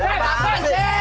hei hei bapak ini